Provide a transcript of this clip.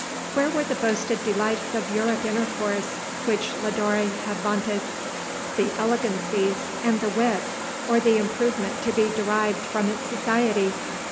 Where were the boasted delights of European intercourse which Lodore had vaunted ?— the elegancies, and the wit, or the improvement to be derived from its society